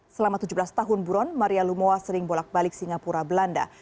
selama tujuh belas tahun buron maria lumowa sering bolak balik singapura belanda